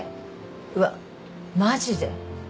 うわマジで？